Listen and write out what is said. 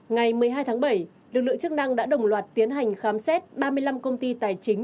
ngày một mươi hai tháng bảy lực lượng chức năng đã đồng loạt tiến hành khám xét ba mươi năm công ty tài chính